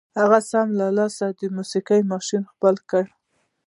هغه سم له لاسه د موسيقۍ ماشين خپل کړ.